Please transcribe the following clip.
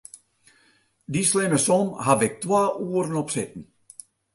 Dy slimme som haw ik twa oeren op sitten.